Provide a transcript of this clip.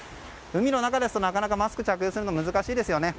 海の中ですとなかなかマスク着用は難しいですよね。